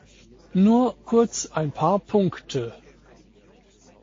Nur kurz ein paar Punkte.